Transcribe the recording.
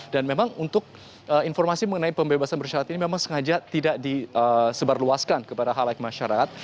dan memang untuk informasi mengenai pembebasan bersyarat ini memang sengaja tidak disebarluaskan kepada hal hal masyarakat